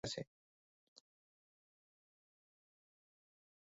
মূলত ঐতিহাসিক ও সাংস্কৃতিক কারণে এগুলোর ধারণা এখনো সুইডেনের প্রশাসনে টিকে আছে।